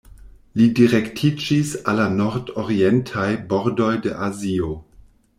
Li direktiĝis al la nordorientaj bordoj de Azio.